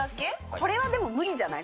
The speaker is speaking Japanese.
これはでも無理じゃない？